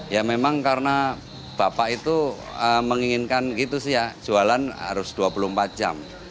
ya memang karena bapak itu menginginkan gitu sih ya jualan harus dua puluh empat jam